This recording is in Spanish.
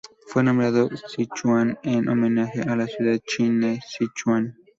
Fue nombrado Sichuan en homenaje a la ciudad china Sichuan.